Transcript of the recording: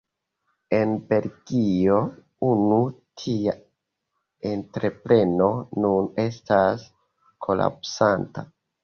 En Belgio unu tia entrepreno nun estas kolapsanta.